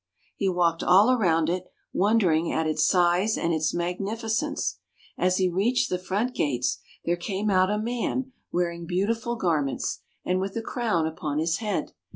He walked all around it, wondering at its size and its magnificence. As he reached the front gates, there came out a man wearing beautiful garments, and with a crown upon his head.